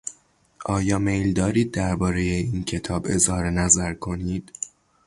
آیا میل دارید دربارهی این کتاب اظهار نظر کنید؟